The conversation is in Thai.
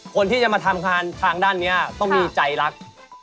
คนที่จะมาทำงานทางด้านนี้ต้องมีใจรัก